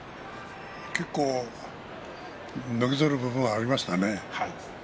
結構のけぞる部分がありましたね。